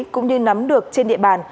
cũng như nắm được trên địa bàn